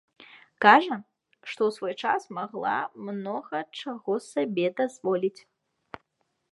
Кажа, што ў свой час магла многа чаго сабе дазволіць.